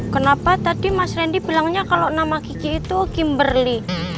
kenapa tadi mas randy bilangnya kalau nama gigi itu gimberly